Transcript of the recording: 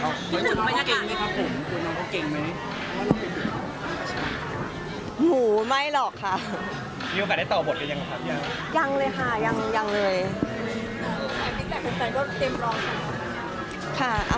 น้องบิ๊กก็เก่งไหมครับผมน้องบิ๊กก็เก่งไหม